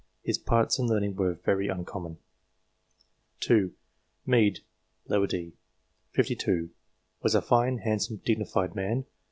His parts and learning were very uncommon. 2. Mede, d. set. 52; was a fine, handsome, dignified man.